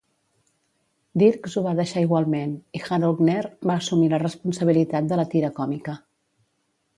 Dirks ho va deixar igualment, i Harold Knerr va assumir la responsabilitat de la tira còmica.